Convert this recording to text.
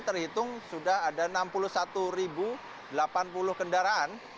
terhitung sudah ada enam puluh satu delapan puluh kendaraan